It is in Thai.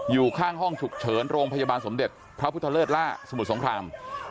อยู่ข้างห้องฉุกเฉินโรงพยาบาลสมเด็จพระพุทธเลิศล่าสมุทรสงคราม